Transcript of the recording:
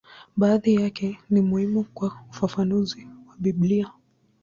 Baadhi yake ni muhimu kwa ufafanuzi wa Biblia.